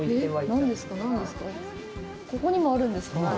ここにもあるんですか。